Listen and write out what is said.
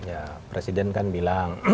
ya presiden kan bilang